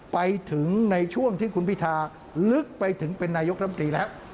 ไปถึงในช่วงที่คุณพิทาลึกไปถึงเป็นนายกรัมตรีแล้ว